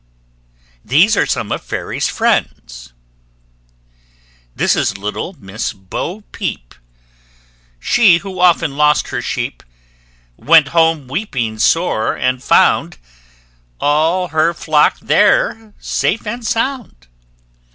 These are some of FAIRY'S FRIENDS. This is little Miss Bo Peep, She who often lost her sheep, Went home weeping sore, and found All her flock there safe and sound!